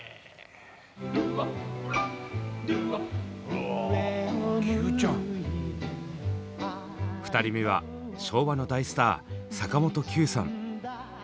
うわその瞬間に２人目は昭和の大スター坂本九さん。